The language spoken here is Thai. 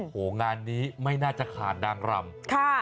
โอ้โหงานนี้ไม่น่าจะขาดนางรำ